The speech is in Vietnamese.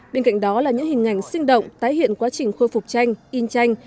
bên cạnh đó là những hình ảnh sinh động tái hiện quá trình khôi phục tranh in tranh